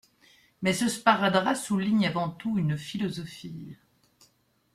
Mais ce sparadrap souligne avant tout une philosophie.